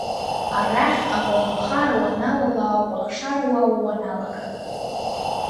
Арахь, аколнхара уаналала ауп ахшара уауа уаналага.